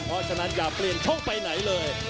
เพราะฉะนั้นอย่าเปลี่ยนช่องไปไหนเลย